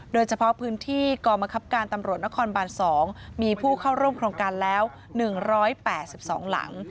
โดยเฉพาะพื้นที่กรมคับการตำรวจนครบาน๒มีผู้เข้าร่วมโครงการแล้ว๑๘๒หลัง